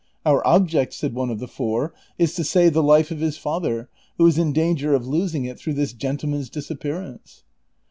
" Our object," said one of the four, '• is to save the life of his father, who is in danger of losing it through this gentle man's disappearance."